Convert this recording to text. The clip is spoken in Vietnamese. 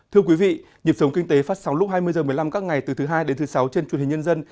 thưa quý vị nhịp sống kinh tế phát sóng lúc hai mươi h một mươi năm các ngày từ thứ hai đến thứ sáu trên truyền hình nhân dân